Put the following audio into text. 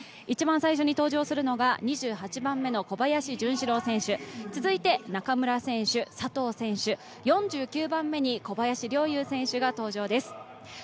一番最初に登場するのが２８番目の小林潤志郎選手、続いて中村選手、佐藤選手、４９番目に小林陵侑選手が登場です。